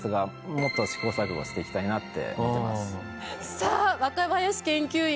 さあ若林研究員